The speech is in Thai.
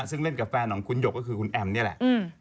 ซึ่งเล่นกับแฟนของคุณหยกก็คือคุณแอมนี่แหละ